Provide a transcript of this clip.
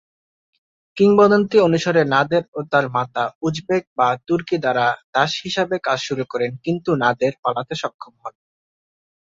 কিংবদন্তি অনুসারে নাদের ও তার মাতা উজবেক বা তুর্কী দ্বারা দাস হিসেবে কাজ শুরু করেন কিন্তু নাদের পালাতে সক্ষম হন।